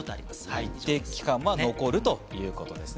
一定期間は残るということですね。